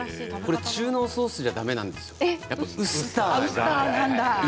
これは中濃ソースじゃだめなんですよ。